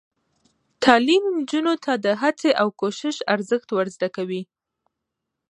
تعلیم نجونو ته د هڅې او کوشش ارزښت ور زده کوي.